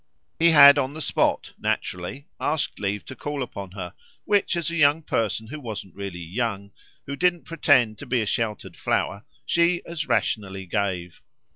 He had on the spot, naturally, asked leave to call upon her which, as a young person who wasn't really young, who didn't pretend to be a sheltered flower, she as rationally gave.